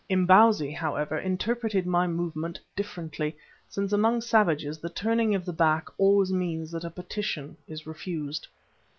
Imbozwi, however, interpreted my movement differently, since among savages the turning of the back always means that a petition is refused.